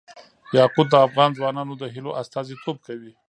یاقوت د افغان ځوانانو د هیلو استازیتوب کوي.